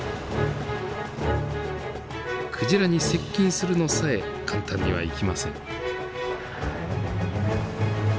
クジラに接近するのさえ簡単にはいきません。